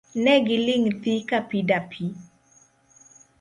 Ne giling' thii kapi dapi.